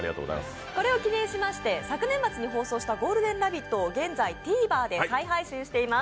これを記念しまして、昨年末に放送した「ゴールデンラヴィット！」を現在、Ｔｖｅｒで再配信しています。